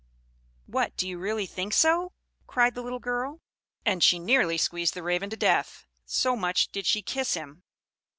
"What, do you really think so?" cried the little girl; and she nearly squeezed the Raven to death, so much did she kiss him.